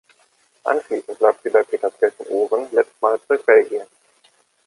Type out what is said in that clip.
Anschließend läuft sie bei Peterskirchen-Ouren letztmals durch Belgien.